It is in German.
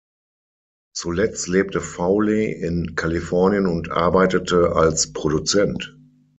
Zuletzt lebte Fowley in Kalifornien und arbeitete als Produzent.